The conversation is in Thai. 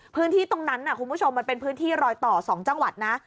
พื้นที่ตรงนั้นคุณผู้ชมมันเป็นพื้นที่รอยต่อ๒จังหวัดนะ